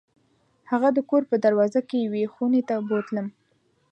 هغه د کور په دروازه کې یوې خونې ته بوتلم.